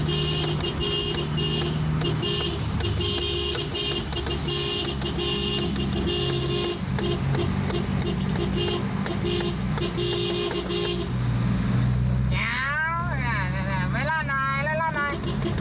เอาหน่อยเล่นหน่อยเล่นหน่อย